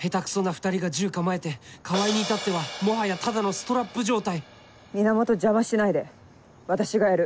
２人が銃構えて川合に至ってはもはやただのストラップ状態源邪魔しないで私がやる。